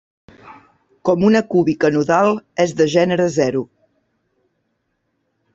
Com una cúbica nodal, és del gènere zero.